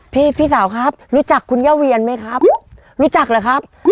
พี่พี่สาวครับรู้จักคุณย่าเวียนไหมครับรู้จักเหรอครับ